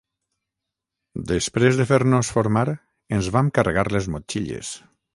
Després de fer-nos formar, ens vam carregar les motxilles